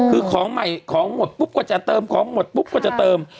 คือของใหม่ของหมดปุ๊บก็จะเติมของหมดปุ๊บก็จะเติม